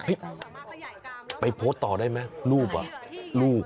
เฮ้ยไปโพสต์ต่อได้ไหมลูก